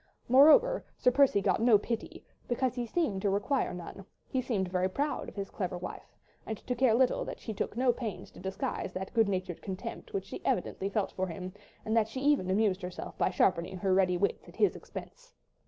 Moreover, Sir Percy got no pity, because he seemed to require none—he seemed very proud of his clever wife, and to care little that she took no pains to disguise that good natured contempt which she evidently felt for him, and that she even amused herself by sharpening her ready wits at his expense.